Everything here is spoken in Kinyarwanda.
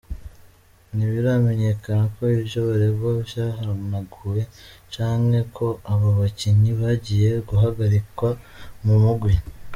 Ntibiramenyekana ko ivyo baregwa vyahanaguwe canke ko abo bakinyi bagiye guhagarikwa mu mugwi.